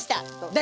誰？